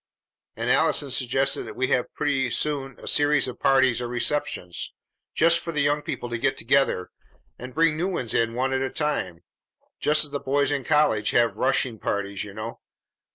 And Allison suggested that we have pretty soon a series of parties or receptions, just for the young people to get together and bring new ones in one at a time, just as the boys in college have rushing parties, you know.